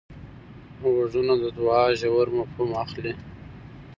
غوږونه د دوعا ژور مفهوم اخلي